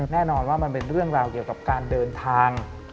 แน่นอนว่ามันเป็นเรื่องราวเกี่ยวกับการเดินทาง